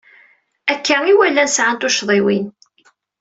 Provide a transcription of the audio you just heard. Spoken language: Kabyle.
Akka imawalen sɛan tuccḍiwin.